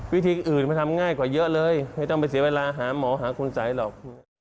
วิธีอื่นมันทำง่ายกว่าเยอะเลยไม่ต้องไปเสียเวลาหาหมอหาคุณสัยหรอก